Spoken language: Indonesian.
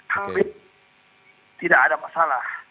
habib tidak ada masalah